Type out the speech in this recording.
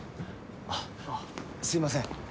あっすいません。